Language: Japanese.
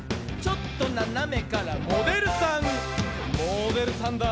「ちょっとななめからモデルさん」